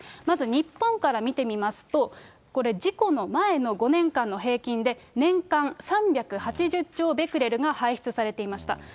まず、日本から見てみますと、これ、事故の前の５年間の平均で、年間３８０兆ベクレルが排出されていました。